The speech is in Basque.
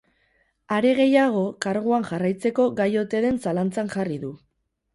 Are gehiago, karguan jarraitzeko gai ote den zalantzan jarri du.